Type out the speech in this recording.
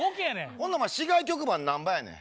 ほんならお前市外局番何番やねん？